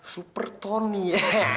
super tony ya